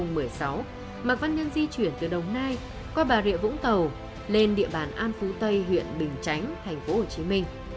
ngày hai mươi bảy tháng một mươi một năm hai nghìn một mươi sáu mạc văn nhân di chuyển từ đồng nai qua bà rịa vũng tàu lên địa bàn an phú tây huyện bình chánh tp hcm